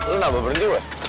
lu gak berhenti weh